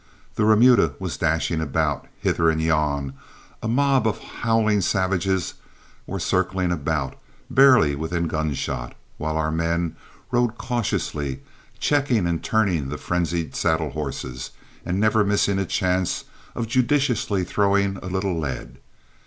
The remuda was dashing about, hither and yon, a mob of howling savages were circling about, barely within gunshot, while our men rode cautiously, checking and turning the frenzied saddle horses, and never missing a chance of judiciously throwing a little lead.